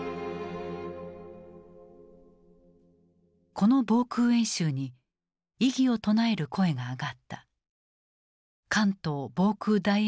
この防空演習に異議を唱える声が上がった。